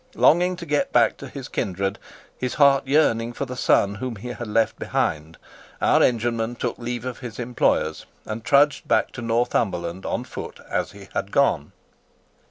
Longing to get back to his kindred, his heart yearning for the son whom he had left behind, our engineman took leave of his employers, and trudged back to Northumberland on foot as he had gone.